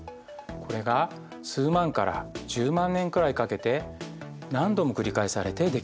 これが数万から１０万年くらいかけて何度も繰り返されてできるんです。